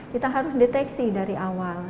kita harus deteksi dari awal